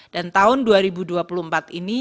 dan tahun dua ribu dua puluh empat ini